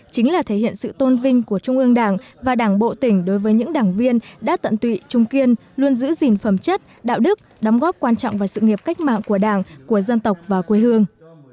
chính là thể hiện sự tôn vinh của trung ương đảng và đảng bộ tỉnh đối với những đảng viên đã tận tụy trung kiên luôn giữ gìn phẩm chất đạo đức đóng góp quan trọng vào sự nghiệp cách mạng của đảng của dân tộc và quê hương